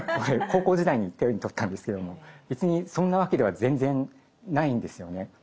高校時代に手に取ったんですけども別にそんなわけでは全然ないんですよね。